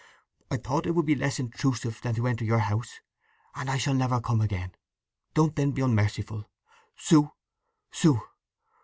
I thought it would be less intrusive than to enter your house. And I shall never come again. Don't then be unmerciful. Sue, Sue!